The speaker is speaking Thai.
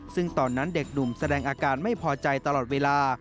ซึ่งตอนนั้นเด็กหนุ่มแสดงอาการไม่พอใจตลอดเวลา